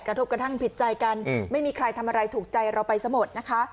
กระทบกระทั่งผิดใจกันไม่มีใครทำอะไรถูกใจเราไปซะหมดนะคะ